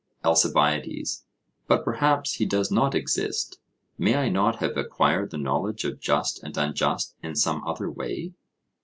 ALCIBIADES: But, perhaps, he does not exist; may I not have acquired the knowledge of just and unjust in some other way?